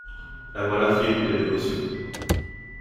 La voilà férue de dévotion.